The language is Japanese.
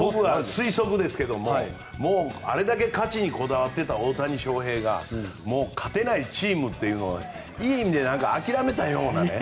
推測ですがあれだけ勝ちにこだわっていた大谷翔平が勝てないチームというのをいい意味であきらめたようなね。